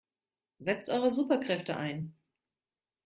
Setzt eure Superkräfte ein!